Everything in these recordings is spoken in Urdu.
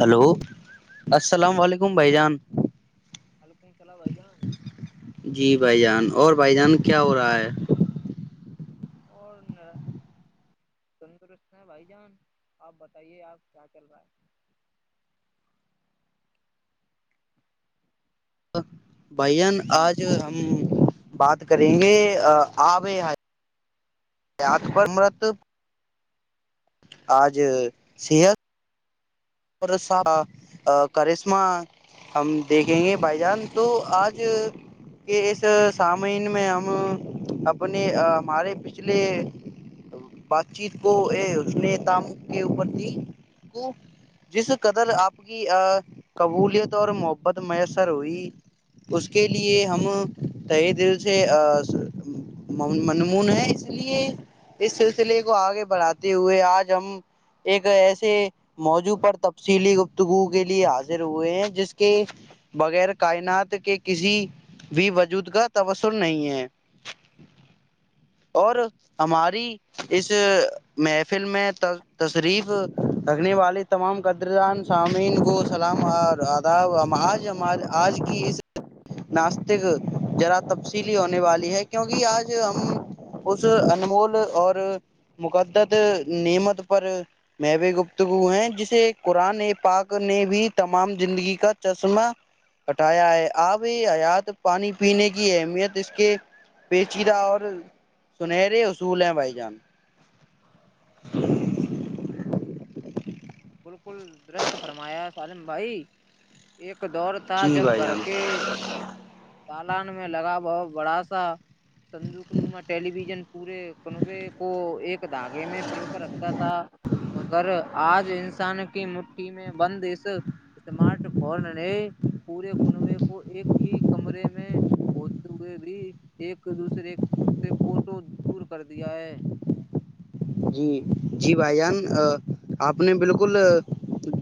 ہلو السلام علیکم بھائی جان وعلیکم السلام بھائی جان جی بھائی جان اور بھائی جان کیا ہو رہا ہے اور س کرسن ہے بھائی جان آپ بتائیے آپ کیا چل رہا ہے بھین آج ہم بات کریں گے آپ پرمرت آج صحت [unintelligible] اور کرشمہ ہم دیکھیں گے بھائی جان تو آج کے اس سامین میں ہم اپنے ہمارے پچھلے بات چیت کو اسنیتام کے اپر کو [unintelligible] جس قدر آپ کی قبولیت اور محبت میسر ہوئی اس کے لیے ہم تہ دل سے منمون ہے اس لیے اس سلسلے کو آگے بڑھاتے ہوئے آج ہم ایک ایسے موضوع پر تفصیلی گفتگو کے لیے حاضر ہوئے ہیں جس کے بغیر کائنات کے کسی بھی وجود کا تثر نہیں ہے اور ہماری اس مح فلم میں تشریف رکھنے والے تمام قدران سامعین کو سلام اور آداب آج آج کی اس ناستک ذرا تفصیلی ہونے والی ہے کیوںکہ آج ہم اس انمول اور مقدت نعمت پر میں بھی گفتگو ہیں جسے قرآن پاک نے بھی تمام زندگی کا چشمہ ہٹایا ہے آب حیات پانی پینے کی اہمیت اس کے پیچیدہ اور سنہرے اصول ہیں بھائی جان ج [unintelligible] پ [inaudible] درست فرمایا سالم بھائی ایک دور تھا جی جب بھائی گھر جان کے تالان میں لگا ب بڑا سا سندوک نما ٹیلی ویژن پورے کنبے کو ایک دھاگے میں پروک رکھتا تھا مگر آج جی [unintelligible] کسان کی م مٹی میں بند اس سمارٹ فون میں پورے کنبے کو ایک ہی کمرے میں ہوتے ہوئے بھی ایک دوسرے سے کوسو دور کر دیا ہے جی جی بھائی جان آپ نے بالکل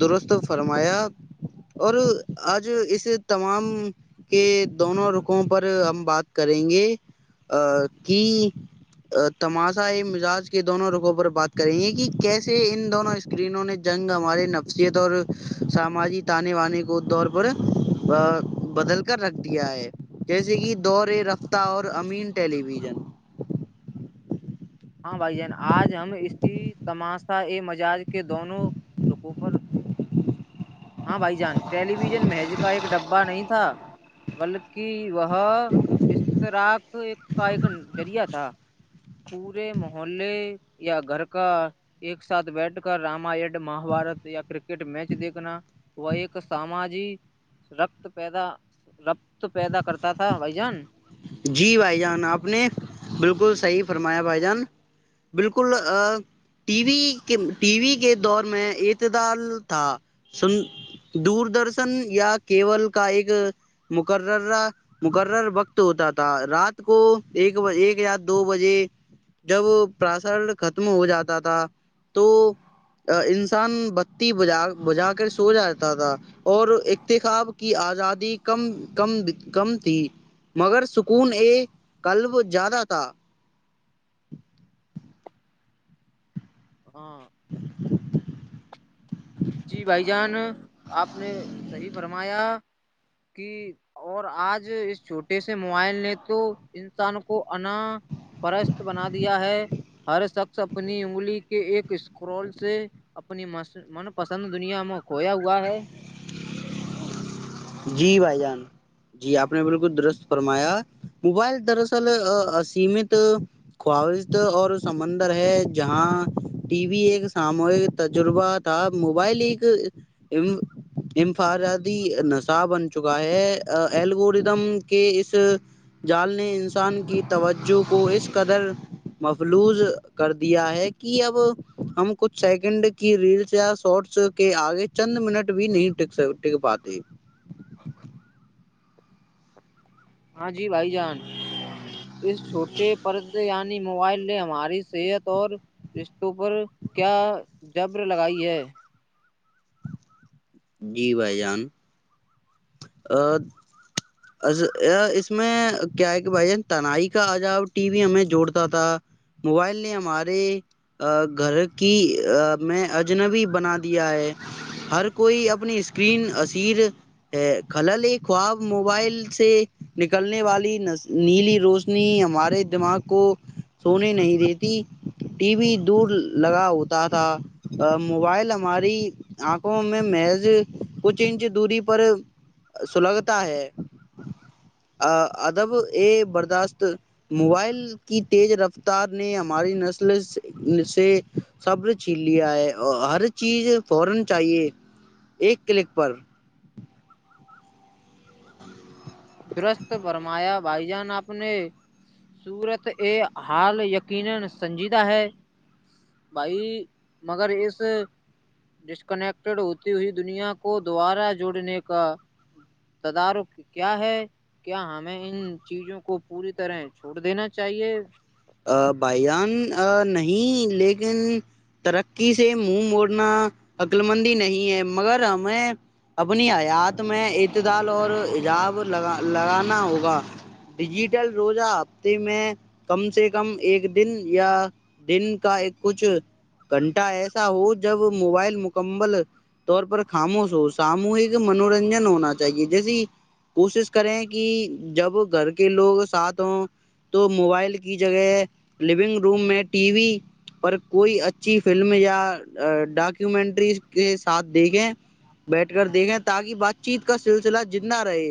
درست فرمایا اور آج اس تمام کے دونوں رخوں پر ہم بات کریں گے ا کی تماشا ہی مزاج کے دونوں روگوں پر بات کریں گے کہ کیسے ان دونوں اسکرینوں نے جنگ ہمارے نفسیت اور سماجی تانے وے کو طور پر بدل کر رکھ دیا ہے جیسے کہ دور رفتہ اور امین ٹیلی ویژن ہاں بھائی جان آج ہم اسی تماشا ا مجاج کے دونوں روپوں پر ہاں بھائی جان ٹیلی ویژن محض کا ایک ڈبہ نہیں تھا مطلب کی وہاں اس تیراک ایک کاائیک ن ریہ تھا پورے محلے یا گھر کا ایک ساتھ بیٹھ کر رامان مہبارت یا کرکٹ میچ دیکھنا وہ ایک ساماجی رکت پیدا رکت پیدا کرتا تھا بھائی جان صی فرمایا بھائی جان بالکل ٹی وی کے دور میں اعتدال تھا دوردرشن یا کیول کا ایک م مقرر وقت ہوتا تھا رات کو ایک یا دو بجے جب پراسر ختم ہو جاتا تھا تو انسان بتی بج بجا کر سو جاتا تھا اور اتخاب کی آزادی کم کم کم تھی مگر ہن یہ کلب زیاد تھا ہاں [inaudible] [unintelligible] جی بھائی جان آپ نے صحی فرمایا کہ اور آج اس چھوٹے سے موبائل نے تو انسان کو انا پرست بنا دیا ہے ہر شخص اپنی انگلی کے ایک اسکرول سے اپنی من پسند دنیا میں کھویا ہوا ہے جی بھائی جان جی آپ نے بالکل درست فرمایا موبائل دراصل امت خواہ اور سمندر ہے جہاں ٹی وی ایک ساموہک تجربہ تھا موبائل ایک امفاداتی نسل ا بن چکا ہے ایلگوردم کے اس جال نے انسان کی توجہ کو اس قدر مفلوظ کر دیا ہے کہ اب ہم کچھ سیکنڈ کی ریلس یا شارٹس کے آگے چند منٹ بھی نہیں ٹک پاتے ہاں جی بھائی جان اس چھوٹے پرد یع موبائل نے ہماری صحت اور رشتوں پر کیا جبر لگائی ہے جی بھائی جان ا اس میں کیا ہے کہ بھائی جان تنائی کا عجاب ٹی وی ہمیں جوڑتا تھا موبائل نے ہمارے گھر کی میں اجنبی بنا دیا ہے ہر کوئی اپنی اسکرین اسصیر ہے خلل ایک خواب موبائل سے نکلنے والی نیلی روشنی ہمارے دماغ کو سونے نہیں دیتی ٹی وی دور لگا ہوتا تھا موبائل ہماری آنکھوں میں محض کچھ انچ دوری پر سلگتا ہے ادب ا برداشت موبائل کی تیز رفتار نے ہماری نسل سے صبر چھین لیا ہے ہر چیز فورن چاہیے ایک کلک پر درخت فرمایا بھائی جان اپ نے صورت حال یقینا سنجیدہ ہے بھائی مگر اس ڈش کنیکٹڈ ہوتی ہوئی دنیا کو دعا ہے جوڑنے کا تدارک کیا ہے کیا ہمیں ان چیزوں کو پوری طرح چھوڑ دینا چاہیے بھائی جان نہیں لیکن ترقی سے منہ موڑنا عقل مندی نہیں ہے مگر ہمیں اپنی حیات میں اتدال اور حجاب لگا لگانا ہوگا ڈیجیٹل روزہ ہفتے میں کم سے کم کم ایک دن یا دن کا ایک کچھ گھنٹہ ایسا ہو جب موبائل مکمل طور پر خاموش ہو ساموہک منورنجن ہونا چاہیے جیسی کوشش کریں کہ جب گھر کے لوگ ساتھ ہوں تو موبائل کی جگہ لونگ روم میں ٹی وی پر کوئی اچھی فلم یا ڈاکومنٹری کے ساتھ دیکھیں بیٹھ کر دیکھیں تاکہ بات چیت کا سلسلہ جندا رہے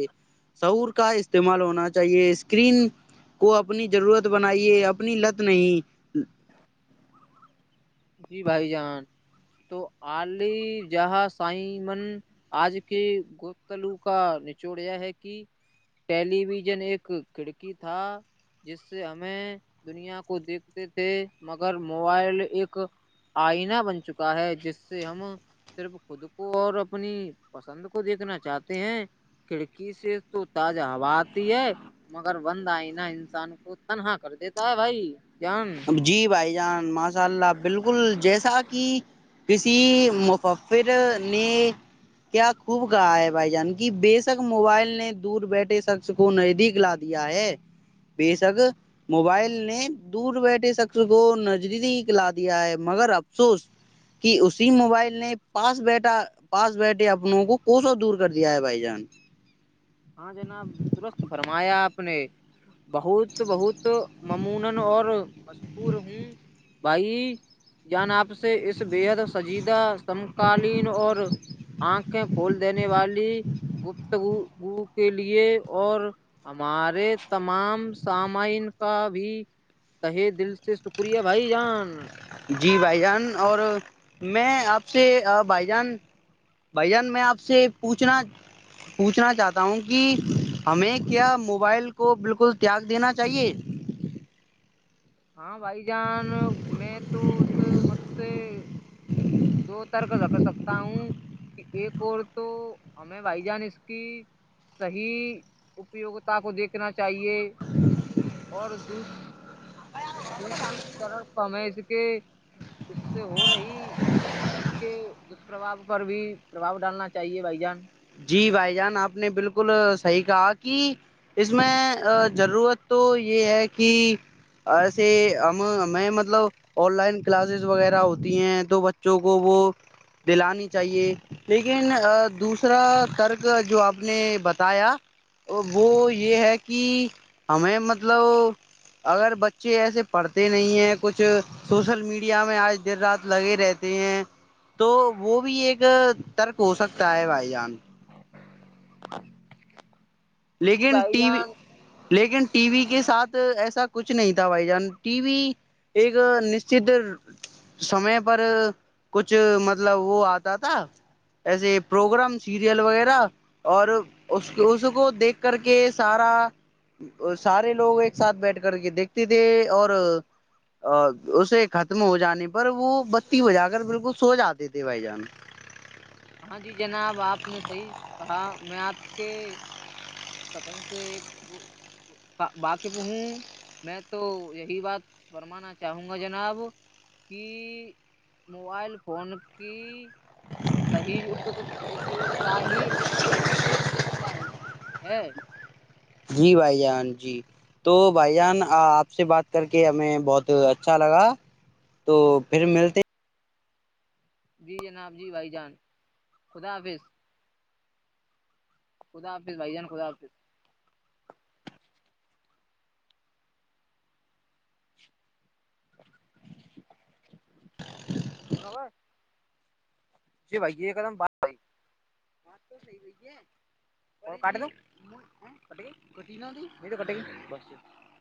سعور کا استعمال ہونا چاہیے اسکرین کو اپنی ضرورت بنائیے اپنی لت نہیں جی بھائی جان تو علی جہاں شائمن آج کے گوتلو کا نچوڑ یہ ہے کہ ٹیلی ویژن ایک کھڑکی تھا جس سے ہمیں دنیا کو دیکھتے تھے مگر موبائل ایک آئینہ بن چکا ہے جس سے ہم صرف خود کو اور اپنی پسند کو دیکھنا چاہتے ہیں کھڑکی سے تو تازہ ہوا آتی ہے مگر بند آئینہ انسان کو تنہا کر دیتا ہے بھائی جان اب جی بھائی جان م مشاء اللہ بالکل جیسا کہ کسی مففر نے کیا خوب کہا ہے بھائی جان کی بےشک موبائل نے دور بیٹھے شخص کو نزدیک لا دیا ہے بے شک موبائل نے دور بیٹھے شخص کو نجریکلا دیا ہے مگر افسوس کہ اسی موبائل نے پاس بیھا پاس بیٹھے اپنوں کو کو سو دور کر دیا ہے بھائی جان ہاں جناب درست فرمایا اپ نے بہت بہت ممون اور ہوں بھائی جان آپ سے اس بےحد سجیدہ سمکالین اور آنکھیں کھول دینے والی گپتگ و کے لیے اور ہمارے تمام سامعین کا بھی کہہے دل سے شکریہ بھائی جان جی بھائی جان اور میں آپ سے بھائی جان بھائی جان میں آپ سے پوچھنا پوچھنا چاہتا ہوں کہ ہمیں کیا موبائل کو بالکل تیاگ دینا چاہیے ہاں بھائی جان میں تو اس مت سے دو ترک رکھ سکتا ہوں کہ ایک اور تو ہمیں بھائی جان اس کی صیح اپیوگتا کو دیکھنا چاہیے اور دو دوسری طرف ہمیں اس کے اس سے ہو رہی پانی کے دشپرباؤ پر بھی پربھاؤ ڈالنا چاہیے بھائی جان جی بھائی جان آپ نے بالکل صحیح کہا کہ اس میں ضرورت تو یہ ہے کہ ایسے ہم ہمیں مطلب آن لائن کلاسز وغیرہ ہوتی ہیں تو بچوں کو وہ دلانی چاہیے لیکن دوس دوسرا ترک جو آپ نے بتایا وہ یہ ہے کہ ہمیں مطلب اگر بچے ایسے پڑھتے نہیں ہیں کچھ سوشل میڈیا میں آج دیر رات لگے رہتے ہیں تو وہ بھی ایک ترک ہو سکتا ہے بھائی بان جی لیکن بھائی ٹی وی جان لیکن ٹی وی کے ساتھ ایسا کچھ نہیں تھا بھائی جان ٹی وی ایک نشچت سمے پر کچھ مطلب وہ آتا تھا ایسے پروگرام سیریل وغیرہ اور اس اس اس کو دیکھ کر کے سارا سارے لوگ ایک ساتھ بیٹھ کر کے دیکھتے تھے اور اسے ختم ہو جانے پر وہ بتی بجا کر بالکل سو جاتے تھے بھائی جان ہاں جی جناب آپ نے صحیح کہا میں آپ کے قتن سے واقف ہوں میں تو یہی بات فرمانا چاہوں گا جناب کی موبائل فون کی صی اپیوگتا ہی اس کی ہو ہ جی بھائی جان جی تو بھائی جان آپ سے بات کر کے ہمیں بہت اچھا لگا تو پھر ملتے جی جناب جی بھائی جان خدا حافظ خدا آپس بائی جان خدا آپس سرب ج بھائی ایک دم ب بھائی توی ب اور دو تو گ ب